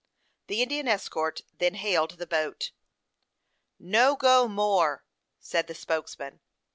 The Indian escort then hailed the boat. "No go more," said the spokesman.